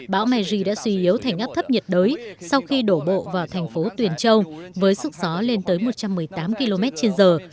bão meji đã suy yếu thành áp thấp nhiệt đới sau khi đổ bộ vào thành phố tuyền châu với sức gió lên tới một trăm một mươi tám km trên giờ